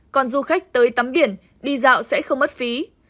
còn du khách tới tắm biển đi dạo sẽ không mất phí